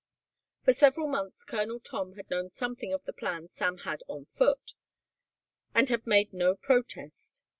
For several months Colonel Tom had known something of the plans Sam had on foot, and had made no protest.